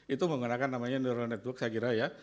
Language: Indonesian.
itu menggunakan namanya neuro network saya kira ya